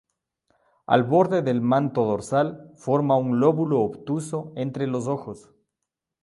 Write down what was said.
El borde del manto dorsal forma un lóbulo obtuso entre los ojos.